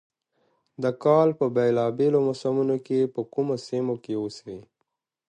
د کال په بېلا بېلو موسمونو کې په کومو سيمو کښې اوسي،